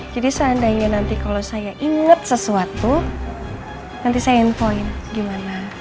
jadi seandainya nanti kalau saya inget sesuatu nanti saya infoin gimana